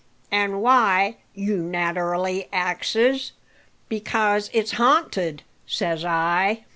"An' why? you naterally axes. Because it's ha'nted, says I."